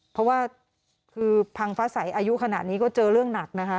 เพราะว่าคือพังฟ้าใสอายุขนาดนี้ก็เจอเรื่องหนักนะคะ